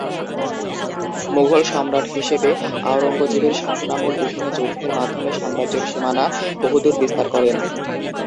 মুঘল সম্রাট হিসেবে আওরঙ্গজেবের শাসনামল বিভিন্ন যুদ্ধের মাধ্যমে সাম্রাজ্যের সীমানা বহুদূর বিস্তার করেন।